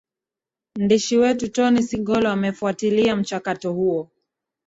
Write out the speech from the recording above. ndishi wetu tony singolo amefuatilia mchakato huo